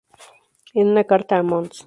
En una carta a Mons.